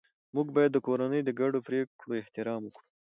موږ باید د کورنۍ د ګډو پریکړو احترام وکړو